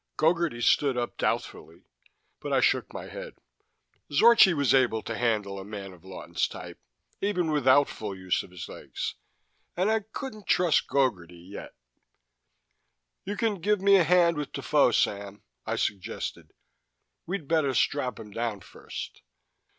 Gogarty stood up doubtfully, but I shook my head. Zorchi was able to handle a man of Lawton's type, even without full use of his legs, and I couldn't trust Gogarty yet. "You can give me a hand with Defoe, Sam," I suggested. "We'd better strap him down first."